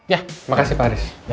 ya makasih pak aris